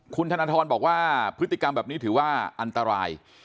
คุณธนทรบอกว่าพฤติกรรมแบบนี้ถือว่าอันตราย